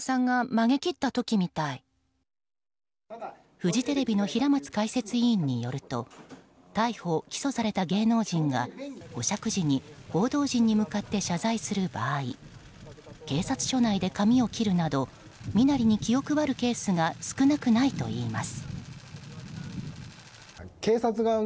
フジテレビの平松解説委員によると逮捕・起訴された芸能人が保釈時に報道陣に向かって謝罪する場合警察署内で髪を切るなど身なりに気を配るケースが少なくないといいます。